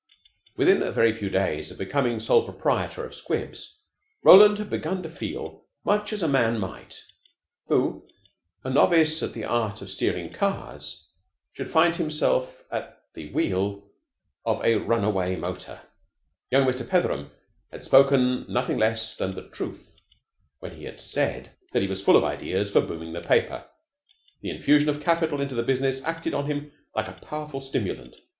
Within a very few days of becoming sole proprietor of 'Squibs,' Roland began to feel much as a man might who, a novice at the art of steering cars, should find himself at the wheel of a runaway motor. Young Mr. Petheram had spoken nothing less than the truth when he had said that he was full of ideas for booming the paper. The infusion of capital into the business acted on him like a powerful stimulant.